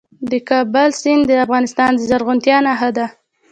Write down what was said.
د کابل سیند د افغانستان د زرغونتیا نښه ده.